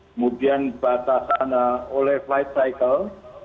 kemudian batasan oleh flight cycle